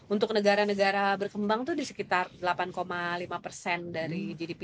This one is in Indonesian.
untuk negara negara berkembang itu di sekitar delapan lima persen dari gdp